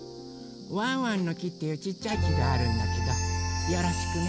ワンワンの木っていうちっちゃい木があるんだけどよろしくね。